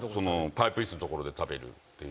パイプ椅子の所で食べるっていう。